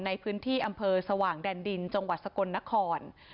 ในพื้นที่อำเภอสว่างแดนดินจังหวัดสกลนคร